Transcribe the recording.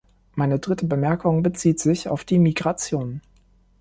Meine dritte Bemerkung bezieht sich auf die Migration.